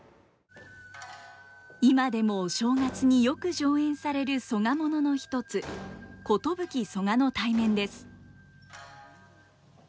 今でもお正月によく上演される曽我ものの一つ「寿曽我対面」です。